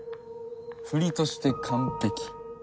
フリとして完璧。